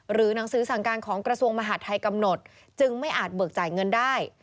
หนังสือสั่งการของกระทรวงมหาดไทยกำหนดจึงไม่อาจเบิกจ่ายเงินได้